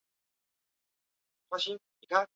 中国共产党早期人物。